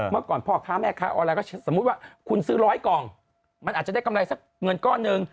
เมื่อก่อนพ่อค้าแม่ค้าออนไลน์ก็สมมุติว่าคุณซื้อร้อยกล่องมันอาจจะได้กำไรสักเงินก้อนหนึ่ง